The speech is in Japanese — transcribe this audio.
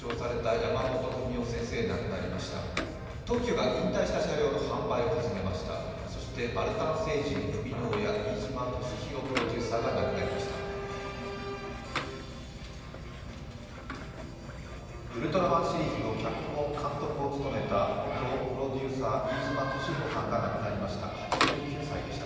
「ウルトラマン」シリーズの脚本・監督を務めた元プロデューサー、飯島敏宏さんが亡くなりました。